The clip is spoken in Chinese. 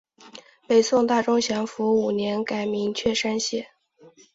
北宋大中祥符五年改名确山县。